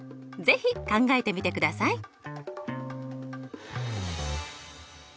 是非考えてみてください。